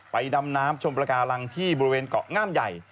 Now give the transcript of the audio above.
ดำน้ำชมประการังที่บริเวณเกาะงามใหญ่